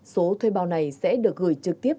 số thuê bao này sẽ được gửi trực tiếp